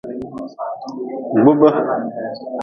Kpub.